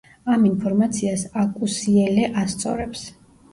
ამ ინფორმაციას აკუსიელე ასწორებს.